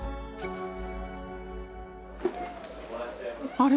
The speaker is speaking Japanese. あれ？